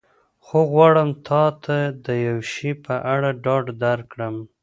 خو غواړم تا ته د یو شي په اړه ډاډ درکړم.